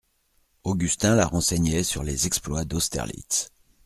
Augustin la renseignait sur les exploits d'Austerlitz.